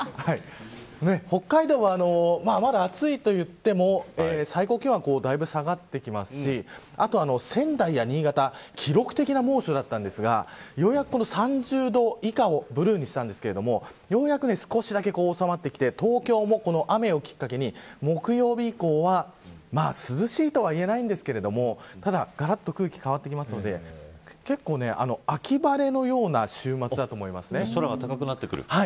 北海道は、まだ暑いと言っても最高気温はだいぶ下がってきますし仙台や新潟は記録的な猛暑でしたがようやく、３０度以下をブルーにしたんですが少しだけ収まってきて東京も雨をきっかけに木曜日以降は涼しいとは言えないんですががらっと空気が変わってくるので秋晴れのような週末だと思います。